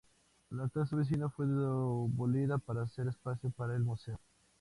La casa vecina fue demolida para hacer espacio para el museo.